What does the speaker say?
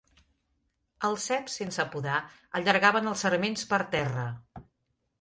Els ceps sense podar allargaven els sarments per terra